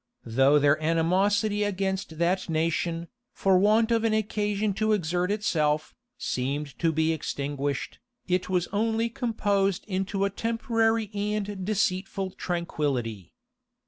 Though their animosity against that nation, for want of an occasion to exert itself, seemed to be extinguished, it was only composed into a temporary and deceitful tranquillity.